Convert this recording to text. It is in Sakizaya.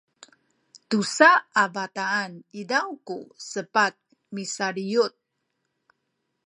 tusa a bataan izaw ku sepat misaliyut